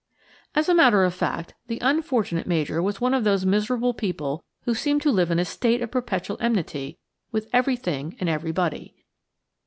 As a matter of fact, the unfortunate Major was one of those miserable people who seem to live in a state of perpetual enmity with everything and everybody.